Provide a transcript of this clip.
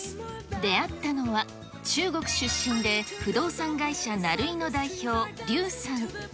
出会ったのは、中国出身で不動産会社、ナルイの代表、劉さん。